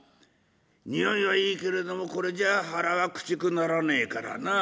匂いはいいけれどもこれじゃあ腹はくちくならねえからなあ」